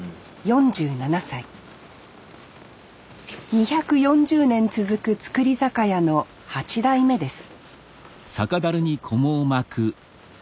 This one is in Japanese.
２４０年続く造り酒屋の８代目です